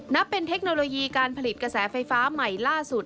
นับเป็นเทคโนโลยีการผลิตกระแสไฟฟ้าใหม่ล่าสุด